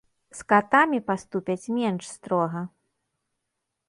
З катамі паступяць менш строга.